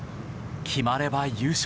決まれば優勝。